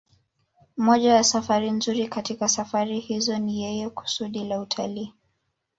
Moja ya safari nzuri katika safari hizo ni yenye kusudi la utalii